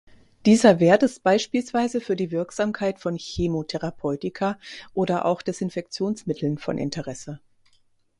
Dieser Wert ist beispielsweise für die Wirksamkeit von Chemotherapeutika oder auch Desinfektionsmitteln von Interesse.